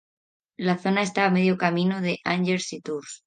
La zona está a medio camino de Angers y Tours.